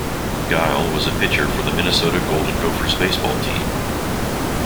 Giel was a pitcher for the Minnesota Golden Gophers baseball team.